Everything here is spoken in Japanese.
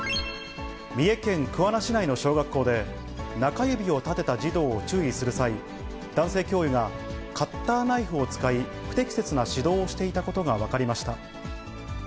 三重県桑名市内の小学校で、中指を立てた児童を注意する際、男性教諭がカッターナイフを使い、不適切な指導をしていたことが分かりました。